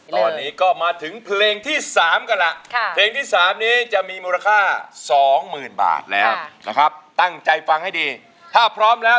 ตอนนี้ก็มาถึงเพลงที่สามก็ละ